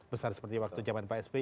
besar seperti waktu zaman pak sp